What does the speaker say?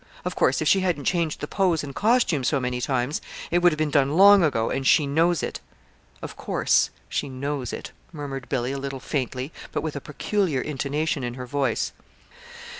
Of course, if she hadn't changed the pose and costume so many times, it would have been done long ago and she knows it." "Of course she knows it," murmured Billy, a little faintly, but with a peculiar intonation in her voice.